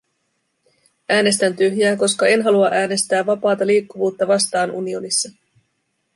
Äänestän tyhjää, koska en halua äänestää vapaata liikkuvuutta vastaan unionissa.